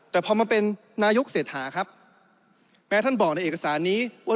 แต่พอมาเป็นนายกเศรษฐาครับแม้ท่านบอกในเอกสารนี้ว่า